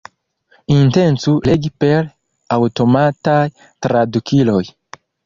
Intencu legi per aŭtomataj tradukiloj.